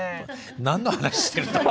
何の話してるんだ？